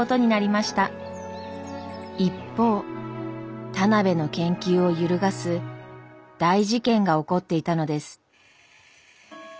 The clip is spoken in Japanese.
一方田邊の研究を揺るがす大事件が起こっていたのです。